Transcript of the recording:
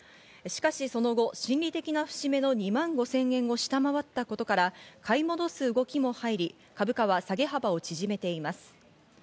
しかしその後、心理的な節目の２万５０００円を下回ったことから、買い戻す動きも入り、株価は下げ幅を縮めています。